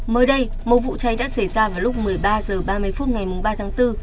mới đây một vụ cháy đã xảy ra vào lúc một mươi ba h ba mươi phút ngày ba tháng bốn